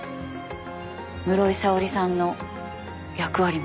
室井沙織さんの役割も。